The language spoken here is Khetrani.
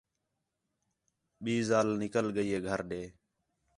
ٻئی ذال نِکل ڳئی ہِے گھر ݙے